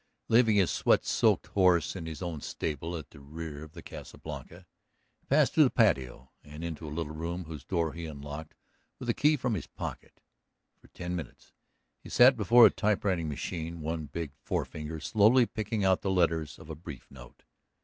Leaving his sweat wet horse in his own stable at the rear of the Casa Blanca he passed through the patio and into a little room whose door he unlocked with a key from his pocket. For ten minutes he sat before a typewriting machine, one big forefinger slowly picking out the letters of a brief note.